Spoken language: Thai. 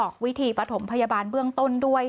กระถมพยาบาลเบื้องต้นด้วย